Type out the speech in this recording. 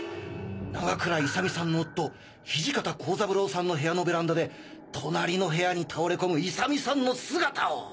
永倉勇美さんの夫土方幸三郎さんの部屋のベランダで隣の部屋に倒れ込む勇美さんの姿を！